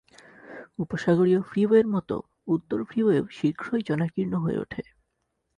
উপসাগরীয় ফ্রিওয়ের মতো, উত্তর ফ্রিওয়েও শীঘ্রই জনাকীর্ণ হয়ে ওঠে।